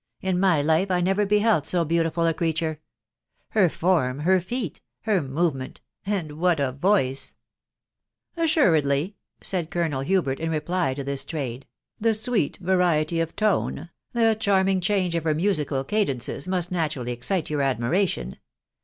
... In my life I never beheld so beautiful a creature !.».. Her form, her feet, her movement, — and what a voice !" Assuredly," said Colonel Hubert in reply to this tirade, the sweet variety of tone, the charming change of her mu sical cadences, must naturally excite your admiration.